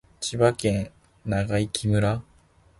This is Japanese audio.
千葉県長生村